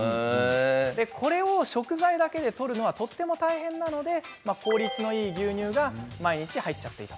これを食材だけでとるのはとても大変なので効率のいい牛乳が毎日入っちゃっている。